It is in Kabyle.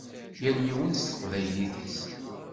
Yal yiwen s teqbaylit-is.